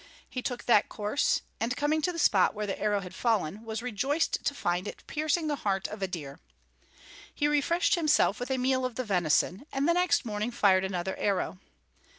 He took that course, and coming to the spot where the arrow had fallen, was rejoiced to find it piercing the heart of a deer. He refreshed himself with a meal of the venison, and the next morning fired another arrow.